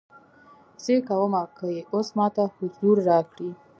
څې کومه کې اوس ماته حضور راکړی